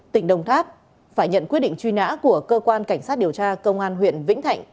tỉnh đồng tháp phải nhận quyết định truy nã của cơ quan cảnh sát điều tra công an huyện vĩnh thạnh